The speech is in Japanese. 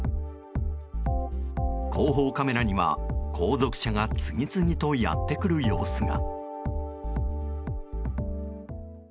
後方カメラには、後続車が次々とやってくる様子が。